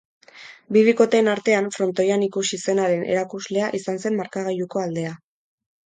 Bi bikoteen artean frontoian ikusi zenaren erakuslea izan zen markagailuko aldea.